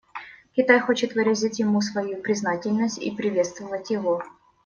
Китай хочет выразить ему свою признательность и приветствовать его.